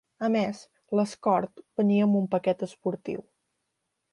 A més, l'Escort venia amb un paquet esportiu.